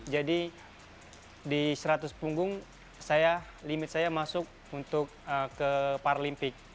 jadi di seratus punggung limit saya masuk untuk ke paralimpik